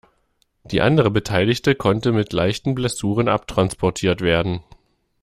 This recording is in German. Die andere Beteiligte konnte mit leichten Blessuren abtransportiert werden.